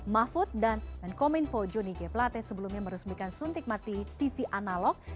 mahfud dan menkominfo juni keplate sebelumnya meresmikan suntik mati tv analog